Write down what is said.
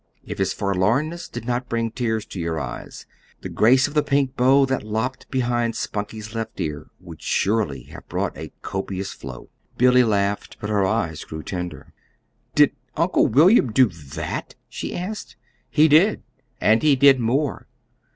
If his forlornness did not bring tears to your eyes, the grace of the pink bow that lopped behind Spunkie's left ear would surely have brought a copious flow." Billy laughed, but her eyes grew tender. "Did Uncle William do that?" she asked. "He did and he did more.